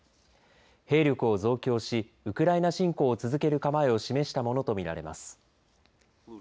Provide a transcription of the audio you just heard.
兵力を増強しウクライナ侵攻を続ける構えを示したものと見られます。